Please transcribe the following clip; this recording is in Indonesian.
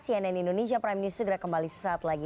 cnn indonesia prime news segera kembali sesaat lagi